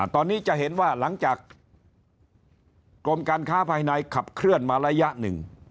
ตอนนี้จะเห็นว่าหลังจากกรมการค้าภายในขับเคลื่อนมาระยะหนึ่ง